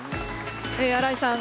新井さん